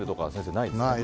ないですね。